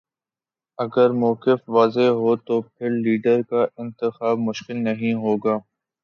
اگر موقف واضح ہو تو پھر لیڈر کا انتخاب مشکل نہیں ہو گا۔